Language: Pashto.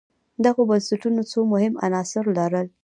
دغو بنسټونو څو مهم عناصر لرل